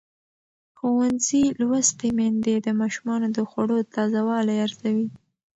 ښوونځې لوستې میندې د ماشومانو د خوړو تازه والی ارزوي.